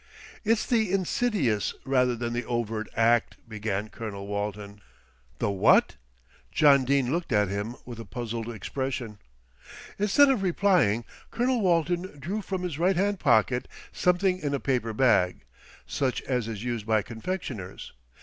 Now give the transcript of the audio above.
"It's the insidious rather than the overt act," began Colonel Walton. "The what?" John Dene looked at him with a puzzled expression. Instead of replying Colonel Walton drew from his right hand pocket something in a paper bag, such as is used by confectioners.